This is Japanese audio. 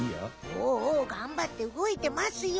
おおおおがんばってうごいてますよ。